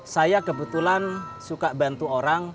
saya kebetulan suka bantu orang